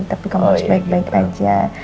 tapi kamu harus baik baik aja